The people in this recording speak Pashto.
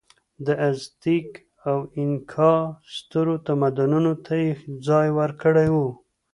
د ازتېک او اینکا سترو تمدنونو ته یې ځای ورکړی و.